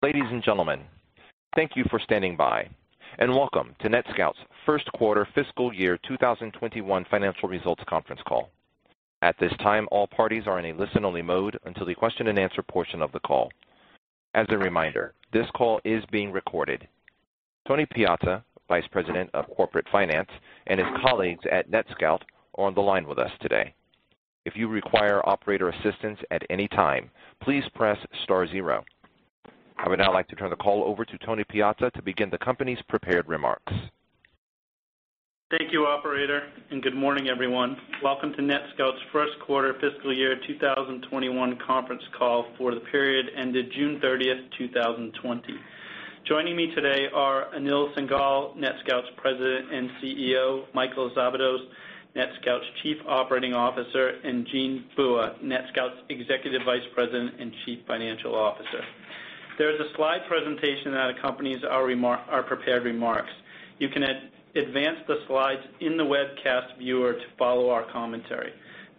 Ladies and gentlemen, thank you for standing by, and welcome to NetScout's first quarter fiscal year 2021 financial results conference call. At this time, all parties are in a listen-only mode until the question and answer portion of the call. As a reminder, this call is being recorded. Tony Piazza, Vice President of Corporate Finance, and his colleagues at NetScout are on the line with us today. If you require operator assistance at any time, please press star zero. I would now like to turn the call over to Tony Piazza to begin the company's prepared remarks. Thank you, operator, and good morning, everyone. Welcome to NetScout's first quarter fiscal year 2021 conference call for the period ended June 30th, 2020. Joining me today are Anil Singhal, NetScout's President and CEO, Michael Szabados, NetScout's Chief Operating Officer, and Jean Bua, NetScout's Executive Vice President and Chief Financial Officer. There is a slide presentation that accompanies our prepared remarks. You can advance the slides in the webcast viewer to follow our commentary.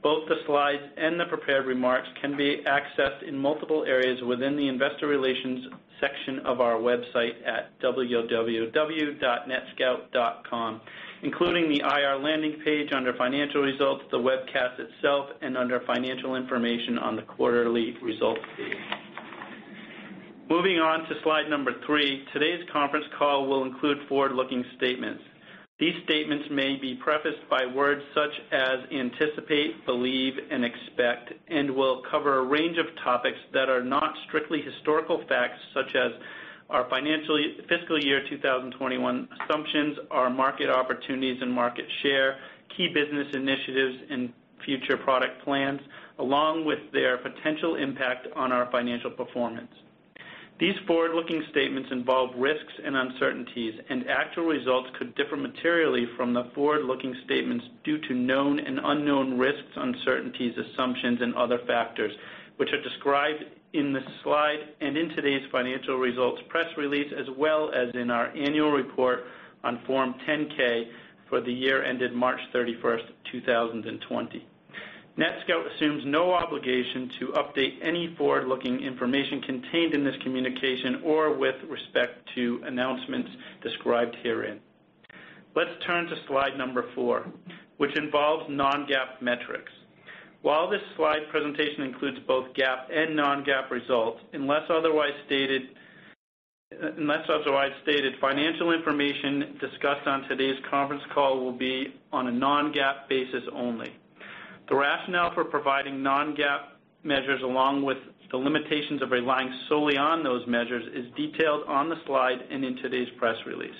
Both the slides and the prepared remarks can be accessed in multiple areas within the investor relations section of our website at www.netscout.com, including the IR landing page under financial results, the webcast itself, and under financial information on the quarterly results page. Moving on to slide number three, today's conference call will include forward-looking statements. These statements may be prefaced by words such as anticipate, believe, and expect, and will cover a range of topics that are not strictly historical facts, such as our fiscal year 2021 assumptions, our market opportunities and market share, key business initiatives, and future product plans, along with their potential impact on our financial performance. These forward-looking statements involve risks and uncertainties, and actual results could differ materially from the forward-looking statements due to known and unknown risks, uncertainties, assumptions, and other factors which are described in the slide and in today's financial results press release, as well as in our annual report on Form 10-K for the year ended March 31st, 2020. NetScout assumes no obligation to update any forward-looking information contained in this communication or with respect to announcements described herein. Let's turn to slide number four, which involves non-GAAP metrics. While this slide presentation includes both GAAP and non-GAAP results, unless otherwise stated, financial information discussed on today's conference call will be on a non-GAAP basis only. The rationale for providing non-GAAP measures along with the limitations of relying solely on those measures is detailed on the slide and in today's press release.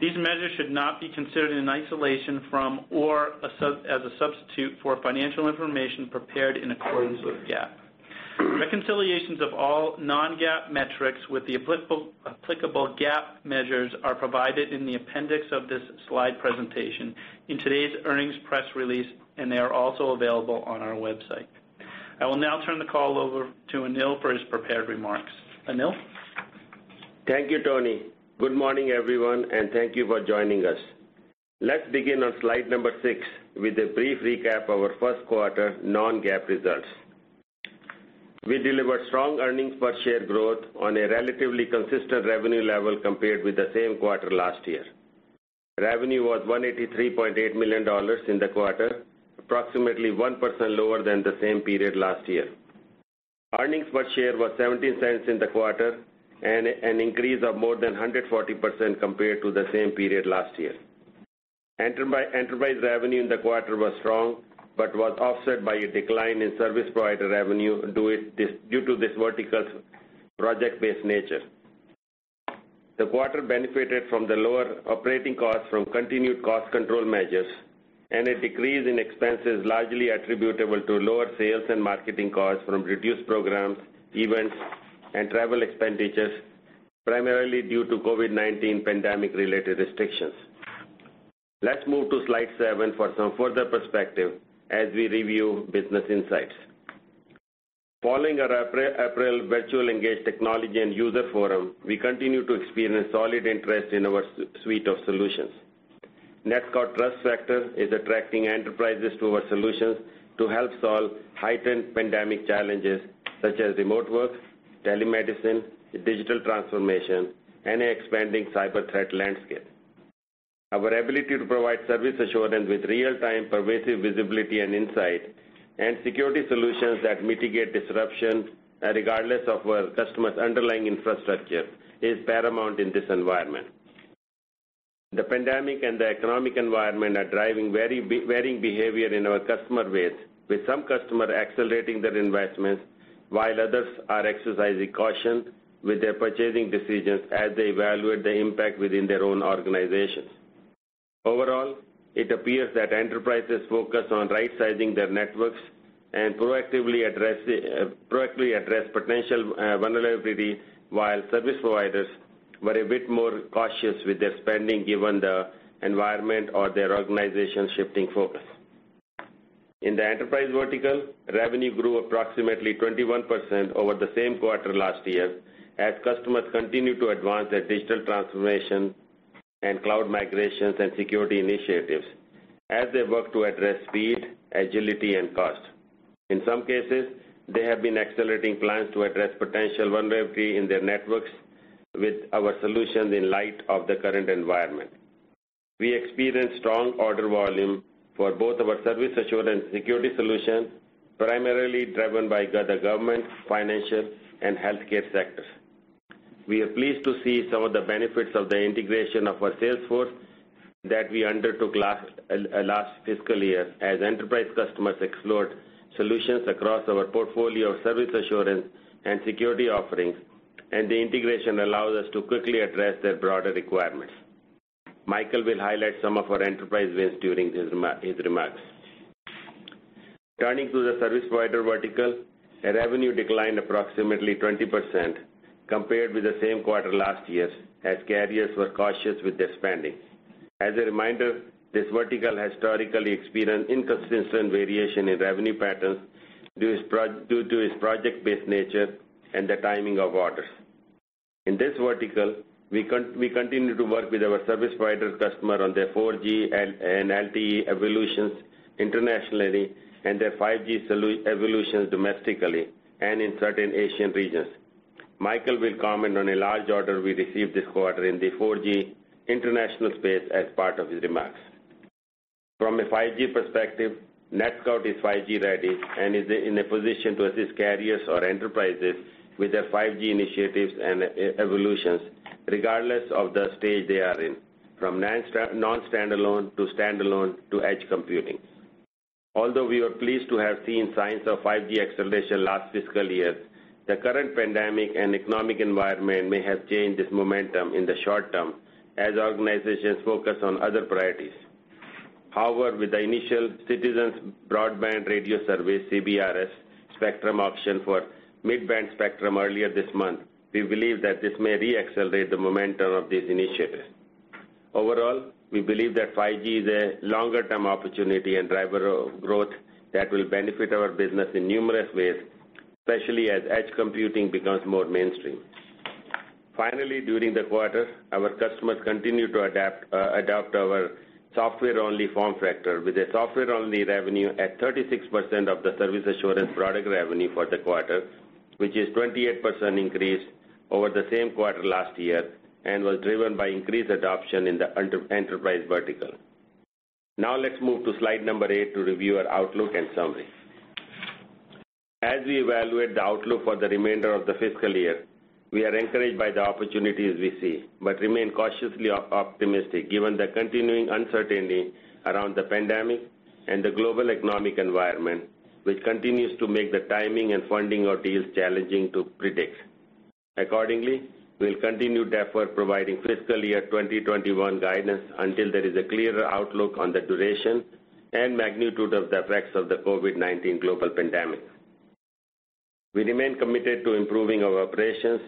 These measures should not be considered in isolation from or as a substitute for financial information prepared in accordance with GAAP. Reconciliations of all non-GAAP metrics with the applicable GAAP measures are provided in the appendix of this slide presentation in today's earnings press release, and they are also available on our website. I will now turn the call over to Anil for his prepared remarks. Anil? Thank you, Tony. Good morning, everyone, and thank you for joining us. Let's begin on slide number six with a brief recap of our first quarter non-GAAP results. We delivered strong earnings per share growth on a relatively consistent revenue level compared with the same quarter last year. Revenue was $183.8 million in the quarter, approximately 1% lower than the same period last year. Earnings per share was $0.17 in the quarter. An increase of more than 140% compared to the same period last year. Enterprise revenue in the quarter was strong but was offset by a decline in service provider revenue due to this vertical's project-based nature. The quarter benefited from the lower operating costs from continued cost control measures and a decrease in expenses largely attributable to lower sales and marketing costs from reduced programs, events, and travel expenditures, primarily due to COVID-19 pandemic-related restrictions. Let's move to slide seven for some further perspective as we review business insights. Following our April virtual ENGAGE technology and user forum, we continue to experience solid interest in our suite of solutions. NetScout Trust Factor is attracting enterprises to our solutions to help solve heightened pandemic challenges such as remote work, telemedicine, digital transformation, and expanding cyber threat landscape. Our ability to provide service assurance with real-time pervasive visibility and insight and security solutions that mitigate disruption regardless of a customer's underlying infrastructure is paramount in this environment. The pandemic and the economic environment are driving varying behavior in our customer base, with some customer accelerating their investments while others are exercising caution with their purchasing decisions as they evaluate the impact within their own organizations. Overall, it appears that enterprises focus on right-sizing their networks and proactively address potential vulnerability while service providers were a bit more cautious with their spending given the environment or their organization's shifting focus. In the enterprise vertical, revenue grew approximately 21% over the same quarter last year as customers continued to advance their digital transformation and cloud migrations and security initiatives as they work to address speed, agility, and cost. In some cases, they have been accelerating plans to address potential vulnerability in their networks with our solutions in light of the current environment. We experienced strong order volume for both our service assurance security solution, primarily driven by the government, financial, and healthcare sectors. We are pleased to see some of the benefits of the integration of our sales force that we undertook last fiscal year as enterprise customers explored solutions across our portfolio of service assurance and security offerings, and the integration allows us to quickly address their broader requirements. Michael will highlight some of our enterprise wins during his remarks. Turning to the service provider vertical, revenue declined approximately 20% compared with the same quarter last year, as carriers were cautious with their spending. As a reminder, this vertical historically experienced inconsistent variation in revenue patterns due to its project-based nature and the timing of orders. In this vertical, we continue to work with our service provider customer on their 4G and LTE evolutions internationally, and their 5G evolutions domestically and in certain Asian regions. Michael will comment on a large order we received this quarter in the 4G international space as part of his remarks. From a 5G perspective, NetScout is 5G ready and is in a position to assist carriers or enterprises with their 5G initiatives and evolutions regardless of the stage they are in, from non-standalone to standalone to edge computing. Although we are pleased to have seen signs of 5G acceleration last fiscal year, the current pandemic and economic environment may have changed this momentum in the short term as organizations focus on other priorities. With the initial Citizens Broadband Radio Service, CBRS, spectrum auction for mid-band spectrum earlier this month, we believe that this may re-accelerate the momentum of these initiatives. We believe that 5G is a longer-term opportunity and driver of growth that will benefit our business in numerous ways, especially as edge computing becomes more mainstream. Finally, during the quarter, our customers continued to adopt our software-only form factor with the software-only revenue at 36% of the service assurance product revenue for the quarter, which is 28% increase over the same quarter last year and was driven by increased adoption in the enterprise vertical. Now let's move to slide number eight to review our outlook and summary. As we evaluate the outlook for the remainder of the fiscal year, we are encouraged by the opportunities we see, but remain cautiously optimistic given the continuing uncertainty around the pandemic and the global economic environment, which continues to make the timing and funding of deals challenging to predict. Accordingly, we'll continue defer providing fiscal year 2021 guidance until there is a clearer outlook on the duration and magnitude of the effects of the COVID-19 global pandemic. We remain committed to improving our operations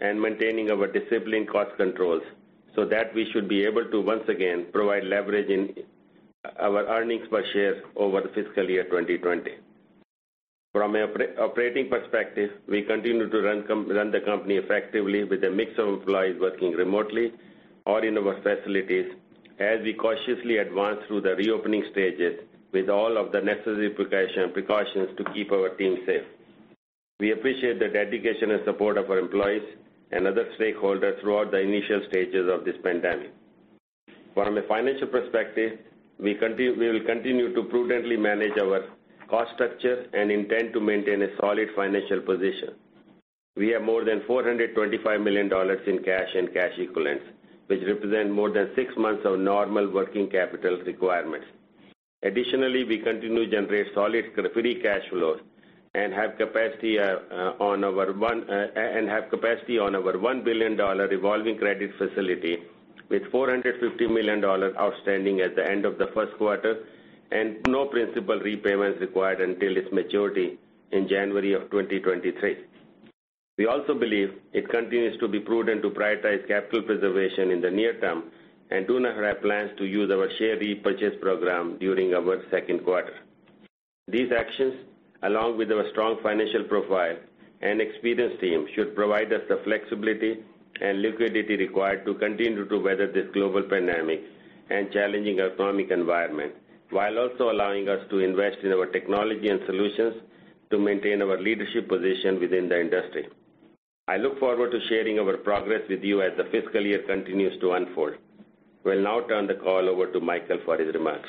and maintaining our disciplined cost controls so that we should be able to once again provide leverage in our earnings per share over the fiscal year 2020. From an operating perspective, we continue to run the company effectively with a mix of employees working remotely or in our facilities as we cautiously advance through the reopening stages with all of the necessary precautions to keep our team safe. We appreciate the dedication and support of our employees and other stakeholders throughout the initial stages of this pandemic. From a financial perspective, we will continue to prudently manage our cost structure and intend to maintain a solid financial position. We have more than $425 million in cash and cash equivalents, which represent more than six months of normal working capital requirements. Additionally, we continue to generate solid free cash flows and have capacity on our $1 billion revolving credit facility, with $450 million outstanding at the end of the first quarter, and no principal repayments required until its maturity in January of 2023. We also believe it continues to be prudent to prioritize capital preservation in the near term and do not have plans to use our share repurchase program during our second quarter. These actions, along with our strong financial profile and experienced team, should provide us the flexibility and liquidity required to continue to weather this global pandemic and challenging economic environment, while also allowing us to invest in our technology and solutions to maintain our leadership position within the industry. I look forward to sharing our progress with you as the fiscal year continues to unfold. We'll now turn the call over to Michael for his remarks.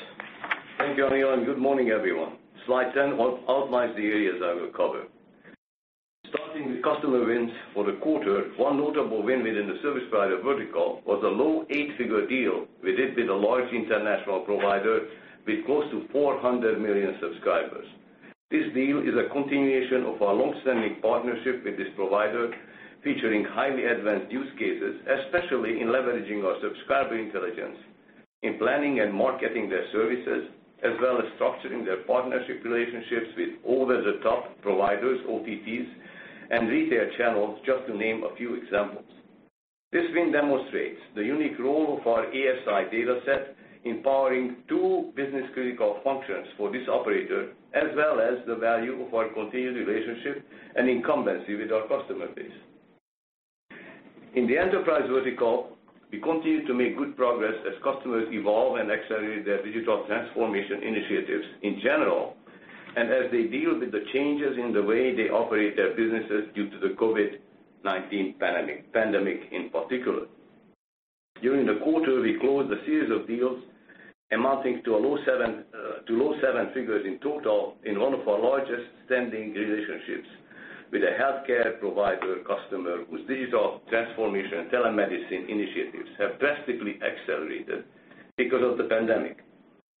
Thank you, Anil, and good morning, everyone. Slide 10 outlines the areas I will cover. Starting with customer wins for the quarter, one notable win within the service provider vertical was a low eight-figure deal we did with a large international provider with close to 400 million subscribers. This deal is a continuation of our long-standing partnership with this provider, featuring highly advanced use cases, especially in leveraging our subscriber intelligence in planning and marketing their services, as well as structuring their partnership relationships with over-the-top providers, OTTs, and retail channels, just to name a few examples. This win demonstrates the unique role of our ASI dataset empowering two business-critical functions for this operator, as well as the value of our continued relationship and incumbency with our customer base. In the enterprise vertical, we continue to make good progress as customers evolve and accelerate their digital transformation initiatives in general, and as they deal with the changes in the way they operate their businesses due to the COVID-19 pandemic in particular. During the quarter, we closed a series of deals amounting to low seven figures in total in one of our largest standing relationships with a healthcare provider customer, whose digital transformation telemedicine initiatives have drastically accelerated because of the pandemic.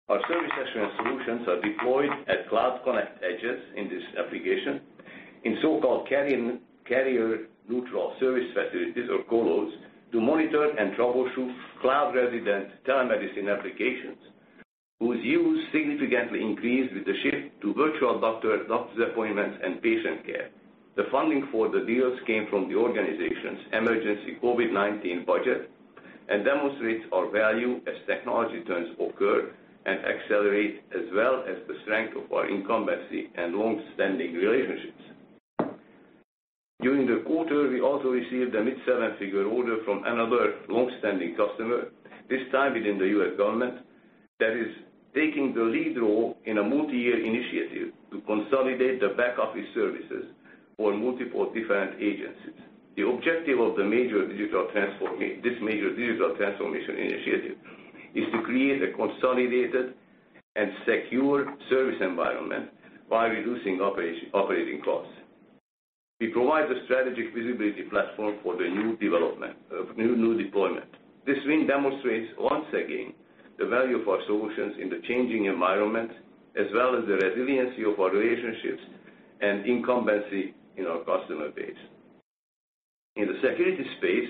Our service assurance solutions are deployed at cloud connect edges in this application in so-called carrier neutral service facilities or colos to monitor and troubleshoot cloud resident telemedicine applications, whose use significantly increased with the shift to virtual doctor's appointments and patient care. The funding for the deals came from the organization's emergency COVID-19 budget and demonstrates our value as technology turns occur and accelerate, as well as the strength of our incumbency and long-standing relationships. During the quarter, we also received a mid-seven-figure order from another long-standing customer, this time within the U.S. government, that is taking the lead role in a multi-year initiative to consolidate the back-office services for multiple different agencies. The objective of this major digital transformation initiative is to create a consolidated and secure service environment while reducing operating costs. We provide the strategic visibility platform for the new deployment. This win demonstrates once again the value of our solutions in the changing environment, as well as the resiliency of our relationships and incumbency in our customer base. In the security space,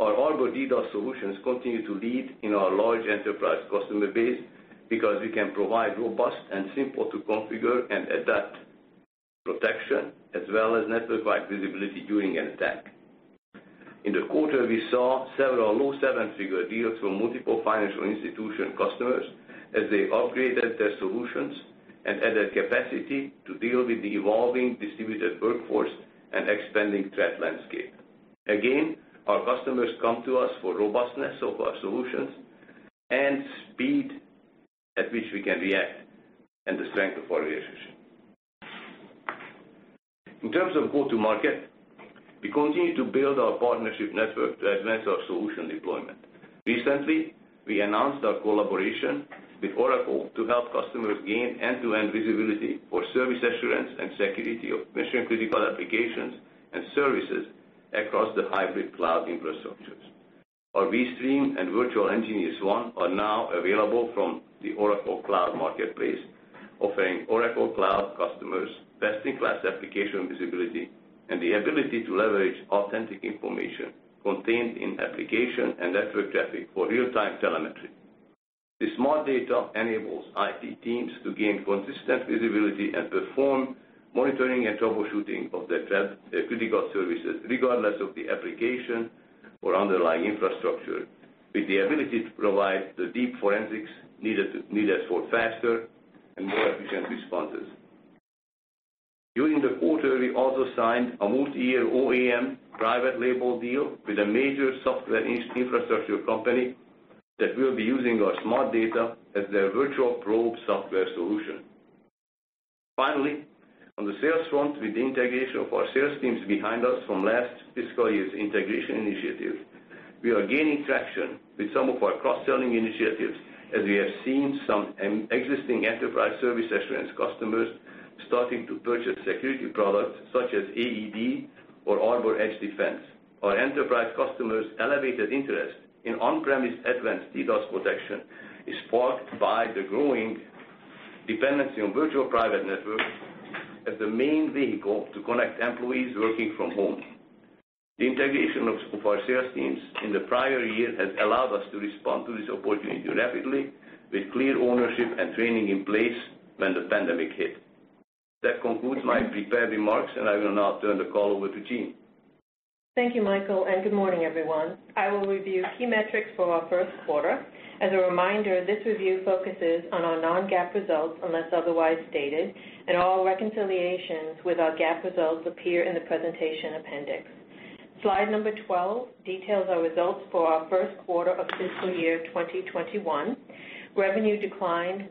our Arbor DDoS solutions continue to lead in our large enterprise customer base because we can provide robust and simple to configure and adapt protection as well as network-wide visibility during an attack. In the quarter, we saw several low seven-figure deals from multiple financial institution customers as they upgraded their solutions and added capacity to deal with the evolving distributed workforce and expanding threat landscape. Again, our customers come to us for robustness of our solutions and speed at which we can react, and the strength of our relationship. In terms of go-to-market, we continue to build our partnership network to advance our solution deployment. Recently, we announced our collaboration with Oracle to help customers gain end-to-end visibility for service assurance and security of mission-critical applications and services across the hybrid cloud infrastructures. Our vSTREAM and nGeniusONE are now available from the Oracle Cloud Marketplace, offering Oracle Cloud customers best-in-class application visibility and the ability to leverage authentic information contained in application and network traffic for real-time telemetry. This Smart Data enables IT teams to gain consistent visibility and perform monitoring and troubleshooting of their critical services regardless of the application or underlying infrastructure, with the ability to provide the deep forensics needed for faster and more efficient responses. During the quarter, we also signed a multi-year OEM private label deal with a major software infrastructure company that will be using our Smart Data as their virtual probe software solution. Finally, on the sales front, with the integration of our sales teams behind us from last fiscal year's integration initiative, we are gaining traction with some of our cross-selling initiatives as we have seen some existing enterprise service assurance customers starting to purchase security products such as AED or Arbor Edge Defense. Our enterprise customers' elevated interest in on-premise advanced DDoS protection is sparked by the growing dependency on virtual private networks as the main vehicle to connect employees working from home. The integration of our sales teams in the prior year has allowed us to respond to this opportunity rapidly with clear ownership and training in place when the pandemic hit. That concludes my prepared remarks, and I will now turn the call over to Jean. Thank you, Michael, and good morning, everyone. I will review key metrics for our first quarter. As a reminder, this review focuses on our non-GAAP results, unless otherwise stated, and all reconciliations with our GAAP results appear in the presentation appendix. Slide number 12 details our results for our first quarter of fiscal year 2021. Revenue declined 1.2%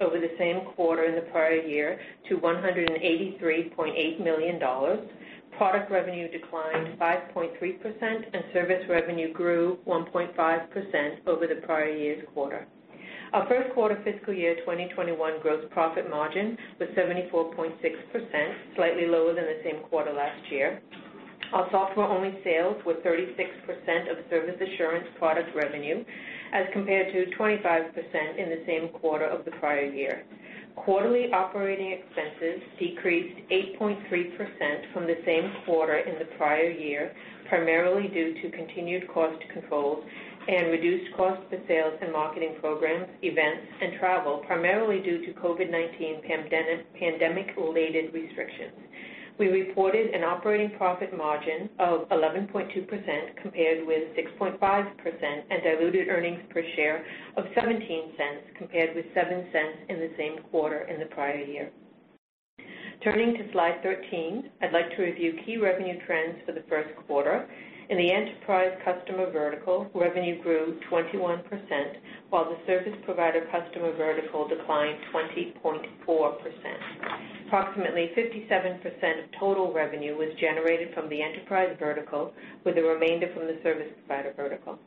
over the same quarter in the prior year to $183.8 million. Product revenue declined 5.3%, and service revenue grew 1.5% over the prior year's quarter. Our first quarter fiscal year 2021 gross profit margin was 74.6%, slightly lower than the same quarter last year. Our software-only sales were 36% of service assurance product revenue as compared to 25% in the same quarter of the prior year. Quarterly operating expenses decreased 8.3% from the same quarter in the prior year, primarily due to continued cost controls and reduced cost for sales and marketing programs, events, and travel, primarily due to COVID-19 pandemic-related restrictions. We reported an operating profit margin of 11.2%, compared with 6.5%, and diluted earnings per share of $0.17, compared with $0.07 in the same quarter in the prior year. Turning to slide 13, I'd like to review key revenue trends for the first quarter. In the enterprise customer vertical, revenue grew 21%, while the service provider customer vertical declined 20.4%. Approximately 57% of total revenue was generated from the enterprise vertical, with the remainder from the service provider vertical.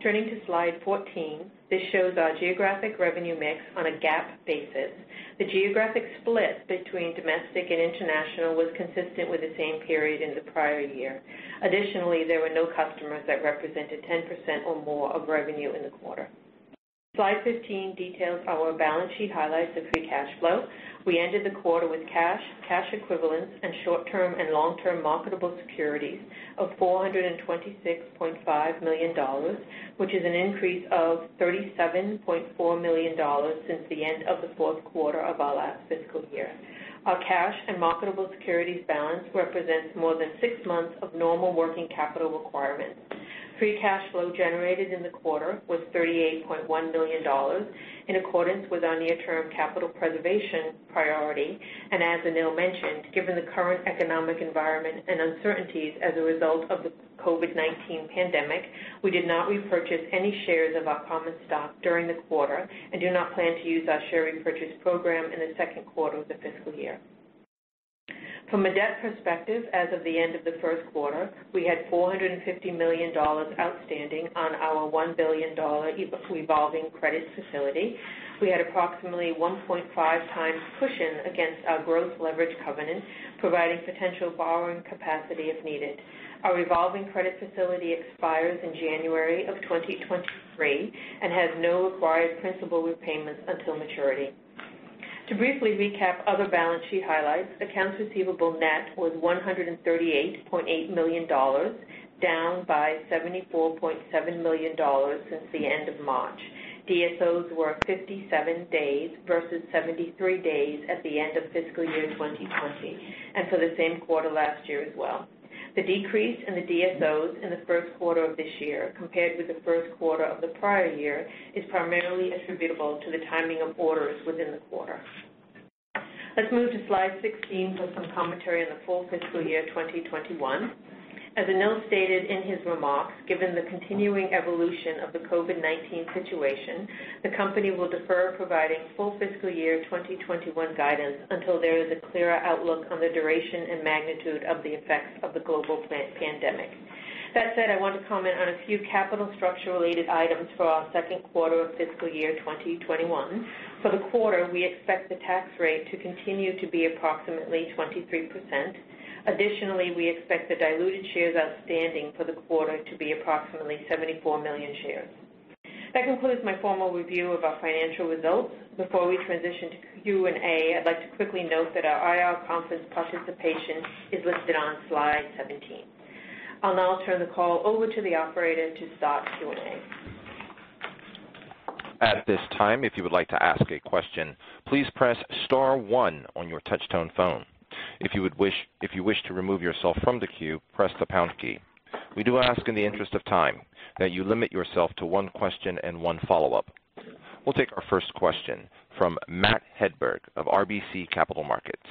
Turning to slide 14, this shows our geographic revenue mix on a GAAP basis. The geographic split between domestic and international was consistent with the same period in the prior year. Additionally, there were no customers that represented 10% or more of revenue in the quarter. Slide 15 details our balance sheet highlights of free cash flow. We ended the quarter with cash equivalents, and short-term and long-term marketable securities of $426.5 million, which is an increase of $37.4 million since the end of the fourth quarter of our last fiscal year. Our cash and marketable securities balance represents more than six months of normal working capital requirements. Free cash flow generated in the quarter was $38.1 million in accordance with our near-term capital preservation priority. As Anil mentioned, given the current economic environment and uncertainties as a result of the COVID-19 pandemic, we did not repurchase any shares of our common stock during the quarter and do not plan to use our share repurchase program in the second quarter of the fiscal year. From a debt perspective, as of the end of the first quarter, we had $450 million outstanding on our $1 billion revolving credit facility. We had approximately 1.5x cushion against our gross leverage covenant, providing potential borrowing capacity if needed. Our revolving credit facility expires in January of 2023 and has no required principal repayments until maturity. To briefly recap other balance sheet highlights, accounts receivable net was $138.8 million, down by $74.7 million since the end of March. DSOs were 57 days versus 73 days at the end of fiscal year 2020, and for the same quarter last year as well. The decrease in the DSOs in the first quarter of this year compared with the first quarter of the prior year is primarily attributable to the timing of orders within the quarter. Let's move to slide 16 for some commentary on the full fiscal year 2021. As Anil stated in his remarks, given the continuing evolution of the COVID-19 situation, the company will defer providing full fiscal year 2021 guidance until there is a clearer outlook on the duration and magnitude of the effects of the global pandemic. That said, I want to comment on a few capital structure related items for our second quarter of fiscal year 2021. For the quarter, we expect the tax rate to continue to be approximately 23%. Additionally, we expect the diluted shares outstanding for the quarter to be approximately 74 million shares. That concludes my formal review of our financial results. Before we transition to Q&A, I'd like to quickly note that our IR conference participation is listed on slide 17. I'll now turn the call over to the operator to start Q&A. At this time, if you would like to ask a question, please press star one on your touch-tone phone. If you wish to remove yourself from the queue, press the pound key. We do ask in the interest of time that you limit yourself to one question and one follow-up. We'll take our first question from Matt Hedberg of RBC Capital Markets.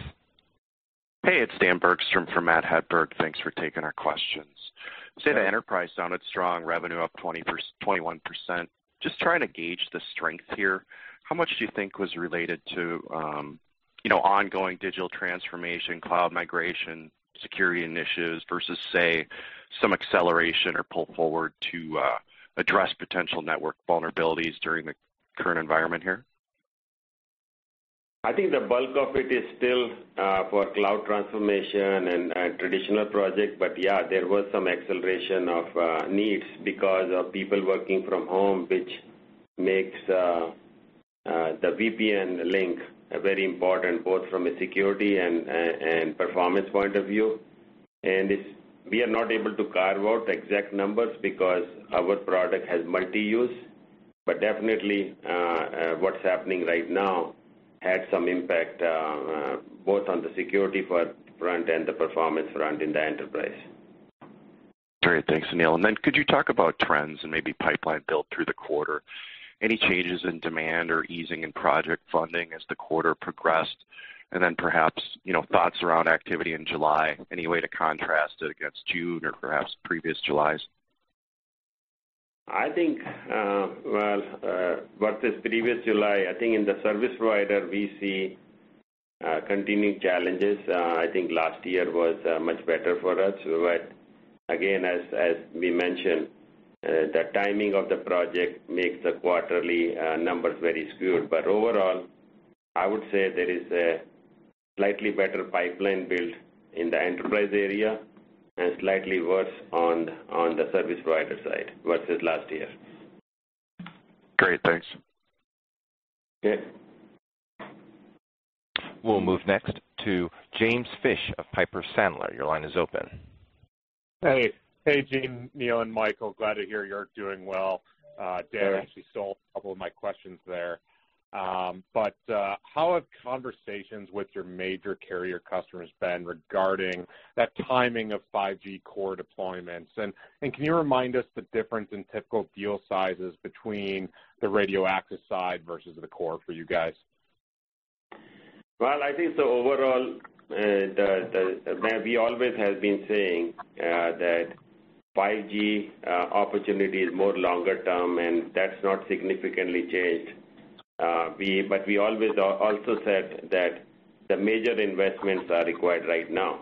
Hey, it's Dan Bergstrom for Matt Hedberg. Thanks for taking our questions. The enterprise sounded strong, revenue up 21%. Just trying to gauge the strength here. How much do you think was related to ongoing digital transformation, cloud migration, security initiatives, versus say, some acceleration or pull forward to address potential network vulnerabilities during the current environment here? I think the bulk of it is still for cloud transformation and traditional projects. Yeah, there was some acceleration of needs because of people working from home, which makes the VPN link very important, both from a security and performance point of view. We are not able to carve out exact numbers because our product has multi-use. Definitely, what's happening right now had some impact both on the security front and the performance front in the enterprise. Great. Thanks, Anil. Could you talk about trends and maybe pipeline build through the quarter? Any changes in demand or easing in project funding as the quarter progressed? Perhaps, thoughts around activity in July, any way to contrast it against June or perhaps previous Julys? Well, versus previous July, I think in the service provider, we see continuing challenges. I think last year was much better for us. Again, as we mentioned, the timing of the project makes the quarterly numbers very skewed. Overall, I would say there is a slightly better pipeline build in the enterprise area and slightly worse on the service provider side versus last year. Great. Thanks. Okay. We'll move next to James Fish of Piper Sandler. Your line is open. Hey. Hey, Jean, Anil, and Michael, glad to hear you're doing well. Dan actually stole a couple of my questions there. How have conversations with your major carrier customers been regarding that timing of 5G core deployments? Can you remind us the difference in typical deal sizes between the radio access side versus the core for you guys? I think so overall, we always have been saying that 5G opportunity is more longer term, and that's not significantly changed. We always also said that the major investments are required right now.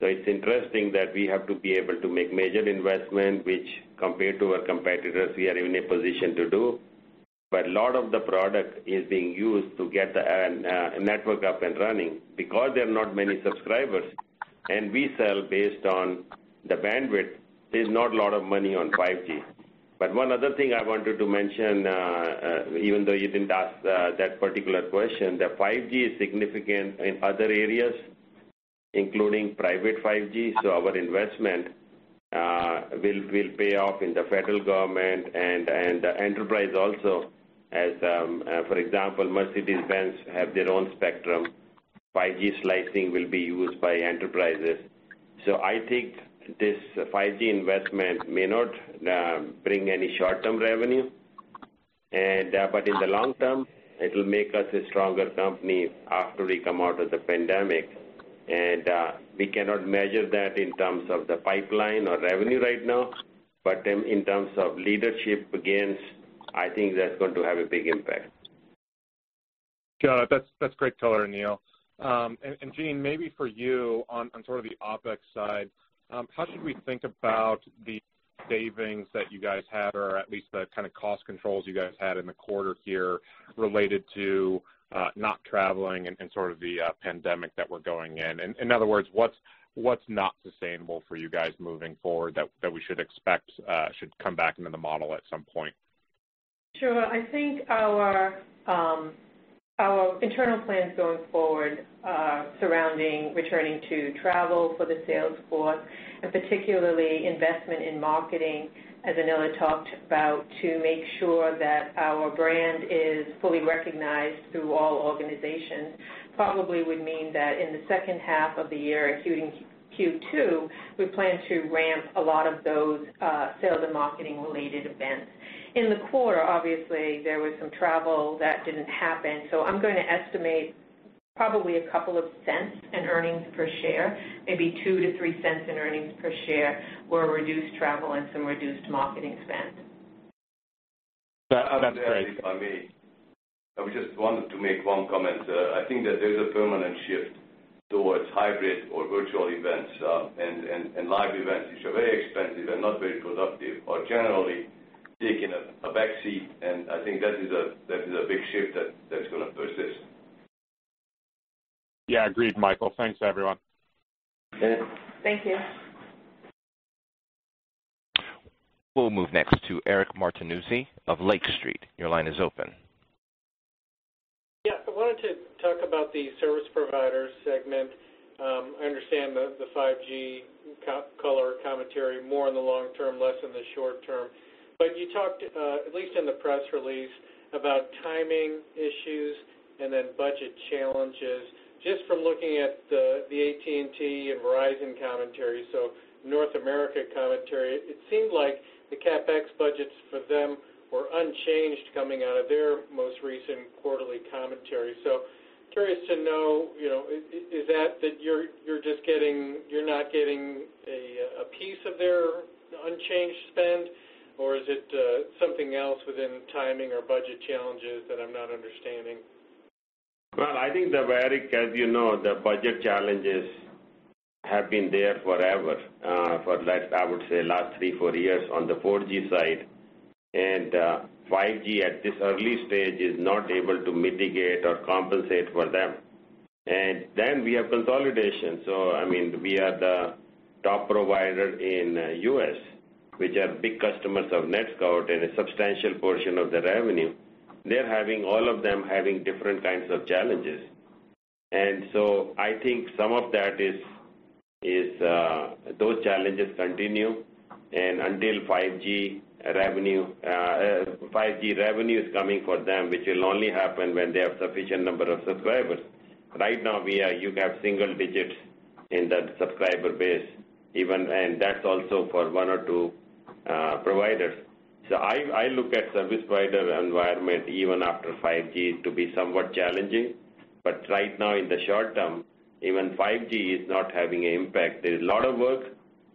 It's interesting that we have to be able to make major investment, which compared to our competitors, we are in a position to do. A lot of the product is being used to get the network up and running. There are not many subscribers, and we sell based on the bandwidth, there's not a lot of money on 5G. One other thing I wanted to mention, even though you didn't ask that particular question, the 5G is significant in other areas, including private 5G. Our investment will pay off in the federal government and the enterprise also as, for example, Mercedes-Benz have their own spectrum. 5G slicing will be used by enterprises. I think this 5G investment may not bring any short-term revenue, but in the long term, it will make us a stronger company after we come out of the pandemic. We cannot measure that in terms of the pipeline or revenue right now, but in terms of leadership gains, I think that's going to have a big impact. Got it. That's great color, Anil. Jean, maybe for you on sort of the OpEx side, how should we think about the savings that you guys had or at least the kind of cost controls you guys had in the quarter here related to not traveling and sort of the pandemic that we're going in? In other words, what's not sustainable for you guys moving forward that we should expect should come back into the model at some point? Sure. I think our internal plans going forward surrounding returning to travel for the sales force, and particularly investment in marketing, as Anil talked about, to make sure that our brand is fully recognized through all organizations, probably would mean that in the second half of the year, including Q2, we plan to ramp a lot of those sales and marketing related events. In the quarter, obviously, there was some travel that didn't happen, so I'm going to estimate probably $0.02 in earnings per share, maybe $0.02-$0.03 in earnings per share were reduced travel and some reduced marketing spend. That's great. If I may, I just wanted to make one comment. I think that there's a permanent shift towards hybrid or virtual events and live events, which are very expensive and not very productive or generally taking a backseat, and I think that is a big shift that's going to persist. Yeah, agreed, Michael. Thanks, everyone. Thank you. We'll move next to Eric Martinuzzi of Lake Street. Your line is open. Yeah. I wanted to talk about the service provider segment. I understand the 5G color commentary, more in the long term, less in the short term. You talked, at least in the press release, about timing issues and then budget challenges. Just from looking at the AT&T and Verizon commentary, so North America commentary, it seemed like the CapEx budgets for them were unchanged coming out of their most recent quarterly commentary. Curious to know, is that you're not getting a piece of their unchanged spend, or is it something else within timing or budget challenges that I'm not understanding? Well, I think that, Eric, as you know, the budget challenges have been there forever, for I would say last three, four years on the 4G side. 5G at this early stage is not able to mitigate or compensate for them. We have consolidation. I mean, we are the top provider in U.S., which are big customers of NetScout and a substantial portion of the revenue. They're having all of them having different kinds of challenges. I think some of that is those challenges continue, and until 5G revenue is coming for them, which will only happen when they have sufficient number of subscribers. Right now, you have single digits in that subscriber base, and that's also for one or two providers. I look at service provider environment, even after 5G to be somewhat challenging. Right now in the short term, even 5G is not having an impact. There's a lot of work.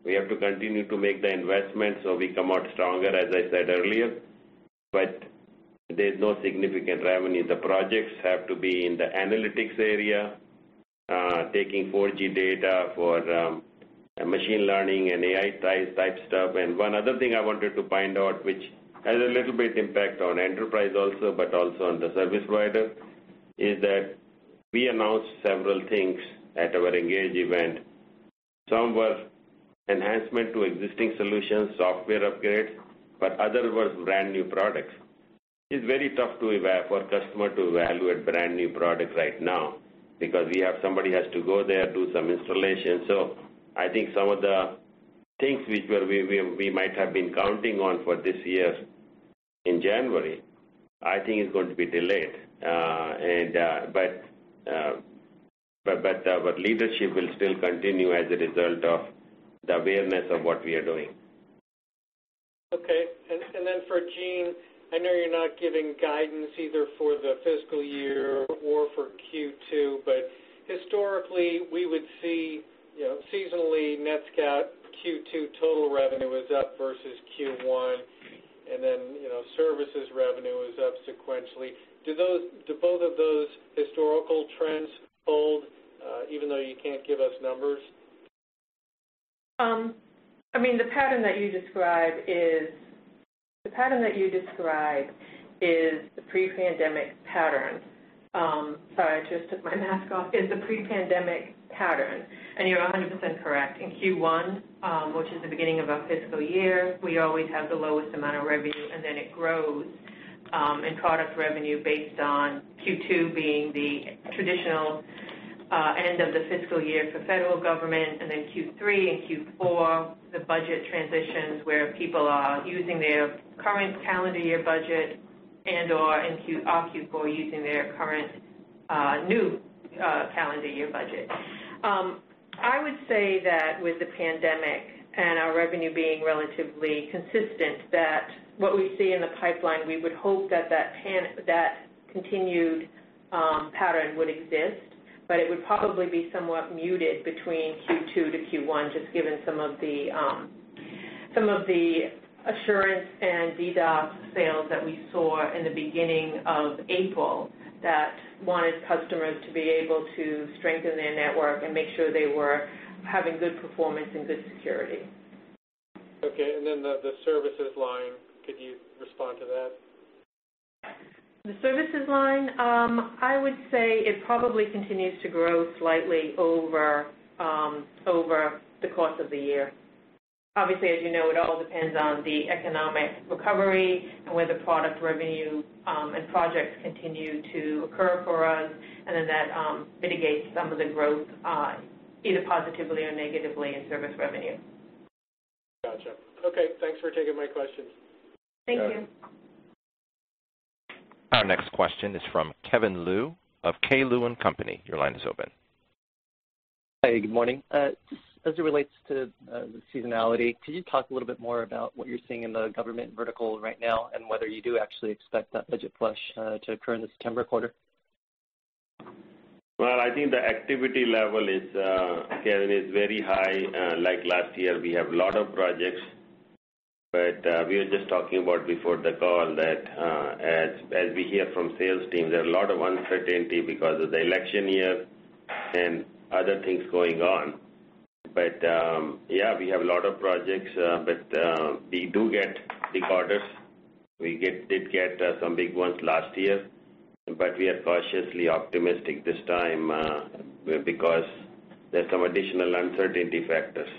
We have to continue to make the investment so we come out stronger, as I said earlier, but there's no significant revenue. The projects have to be in the analytics area, taking 4G data for machine learning and AI type stuff. One other thing I wanted to find out, which has a little bit impact on enterprise also, but also on the service provider, is that we announced several things at our ENGAGE event. Some were enhancement to existing solutions, software upgrades, but other was brand-new products. It's very tough for a customer to evaluate brand-new products right now because somebody has to go there, do some installation. I think some of the things which we might have been counting on for this year in January, I think is going to be delayed. Our leadership will still continue as a result of the awareness of what we are doing. For Jean, I know you're not giving guidance either for the fiscal year or for Q2, but historically, we would see seasonally NetScout Q2 total revenue is up versus Q1, and then services revenue is up sequentially. Do both of those historical trends hold, even though you can't give us numbers? The pattern that you describe is the pre-pandemic pattern. Sorry, I just took my mask off. It's a pre-pandemic pattern, and you're 100% correct. In Q1, which is the beginning of our fiscal year, we always have the lowest amount of revenue, and then it grows in product revenue based on Q2 being the traditional end of the fiscal year for federal government, and then Q3 and Q4, the budget transitions where people are using their current calendar year budget and/or in Q4 using their current new calendar year budget. I would say that with the pandemic and our revenue being relatively consistent, that what we see in the pipeline, we would hope that continued pattern would exist, but it would probably be somewhat muted between Q2 to Q1, just given some of the assurance and DDoS sales that we saw in the beginning of April that wanted customers to be able to strengthen their network and make sure they were having good performance and good security. Okay, the services line, could you respond to that? The services line, I would say it probably continues to grow slightly over the course of the year. As you know, it all depends on the economic recovery and whether product revenue and projects continue to occur for us, and then that mitigates some of the growth, either positively or negatively in service revenue. Gotcha. Okay. Thanks for taking my questions. Thank you. Our next question is from Kevin Liu of K. Liu & Company. Your line is open. Hey, good morning. As it relates to the seasonality, could you talk a little bit more about what you're seeing in the government vertical right now, and whether you do actually expect that budget flush to occur in the September quarter? Well, I think the activity level, Kevin, is very high. Like last year, we have a lot of projects, we were just talking about before the call that, as we hear from sales teams, there are a lot of uncertainty because of the election year and other things going on. Yeah, we have a lot of projects, but we do get big orders. We did get some big ones last year, but we are cautiously optimistic this time, because there's some additional uncertainty factors.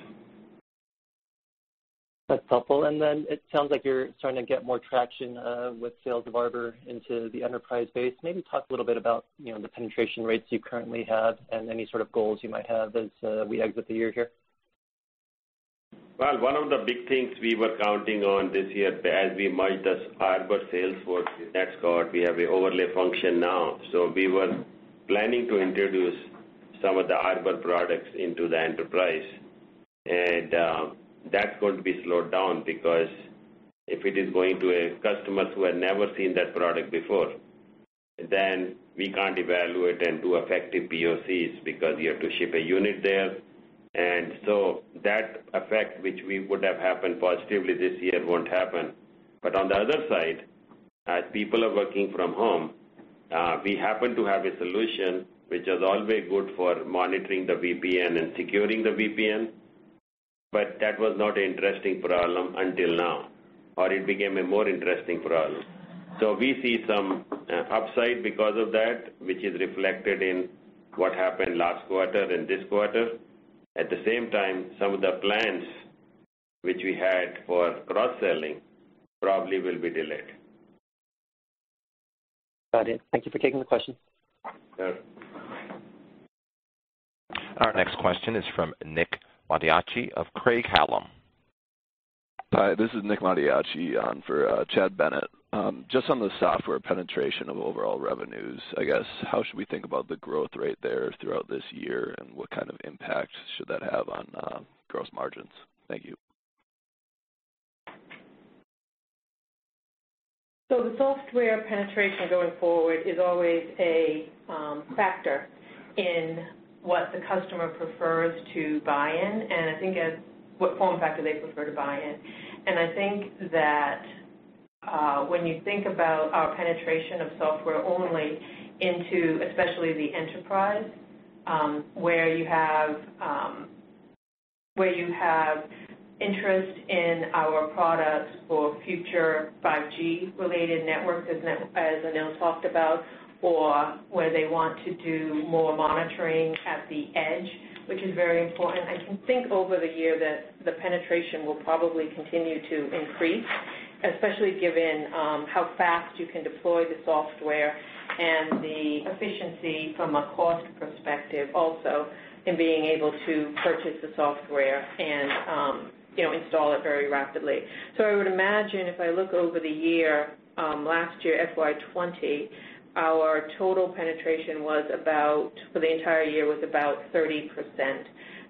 That's helpful. It sounds like you're starting to get more traction with sales of Arbor into the enterprise space. Maybe talk a little bit about the penetration rates you currently have and any sort of goals you might have as we exit the year here. Well, one of the big things we were counting on this year as we merged as Arbor sales force with NetScout, we have an overlay function now. We were planning to introduce some of the Arbor products into the enterprise. That's going to be slowed down because if it is going to customers who have never seen that product before, then we can't evaluate and do effective POCs because you have to ship a unit there. That effect, which we would have happened positively this year, won't happen. On the other side, as people are working from home, we happen to have a solution which is always good for monitoring the VPN and securing the VPN, but that was not an interesting problem until now, or it became a more interesting problem. We see some upside because of that, which is reflected in what happened last quarter and this quarter. At the same time, some of the plans which we had for cross-selling probably will be delayed. Got it. Thank you for taking the question. Sure. Our next question is from Nick Mattiacci of Craig-Hallum. Hi, this is Nick Mattiacci on for Chad Bennett. Just on the software penetration of overall revenues, I guess, how should we think about the growth rate there throughout this year, and what kind of impact should that have on gross margins? Thank you. The software penetration going forward is always a factor in what the customer prefers to buy in, and I think what form factor they prefer to buy in. I think that when you think about our penetration of software only into especially the enterprise, where you have interest in our products for future 5G-related networks, as Anil talked about, or where they want to do more monitoring at the edge, which is very important, I can think over the year that the penetration will probably continue to increase, especially given how fast you can deploy the software and the efficiency from a cost perspective also in being able to purchase the software and install it very rapidly. I would imagine if I look over the year, last year, FY 2020, our total penetration for the entire year was about 30%.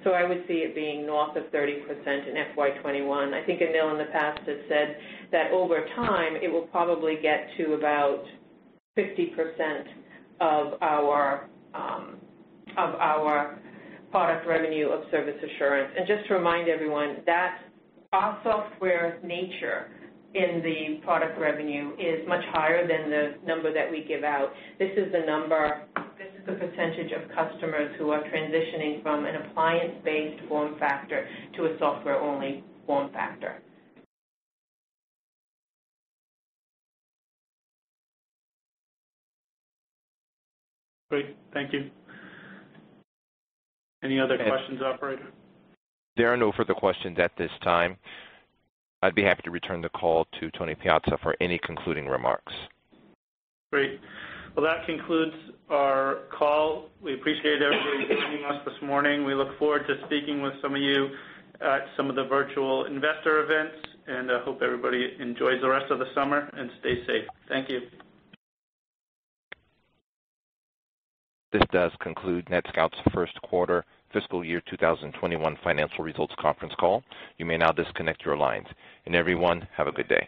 I would see it being north of 30% in FY 2021. I think Anil in the past has said that over time, it will probably get to about 50% of our product revenue of service assurance. Just to remind everyone that our software's nature in the product revenue is much higher than the number that we give out. This is the percentage of customers who are transitioning from an appliance-based form factor to a software-only form factor. Great. Thank you. Any other questions, operator? There are no further questions at this time. I'd be happy to return the call to Tony Piazza for any concluding remarks. Great. Well, that concludes our call. We appreciate everybody joining us this morning. We look forward to speaking with some of you at some of the virtual investor events, and I hope everybody enjoys the rest of the summer and stay safe. Thank you. This does conclude NetScout's first quarter fiscal year 2021 financial results conference call. You may now disconnect your lines. Everyone, have a good day.